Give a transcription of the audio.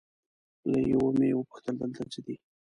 له یوه مې وپوښتل دلته څه دي؟